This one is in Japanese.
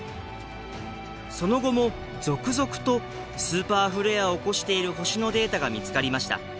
その後も続々とスーパーフレアを起こしている星のデータが見つかりました。